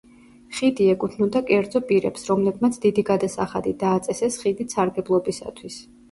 ხიდი ეკუთვნოდა კერძო პირებს, რომლებმაც დიდი გადასახადი დააწესეს ხიდით სარგებლობისათვის.